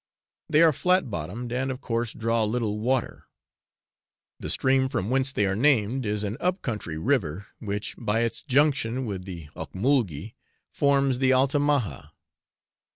They are flat bottomed, and, of course, draw little water. The stream from whence they are named is an up country river, which, by its junction with the Ocmulgee, forms the Altamaha.